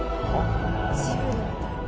ジブリみたい。